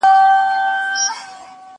زه به د لوبو لپاره وخت نيولی وي،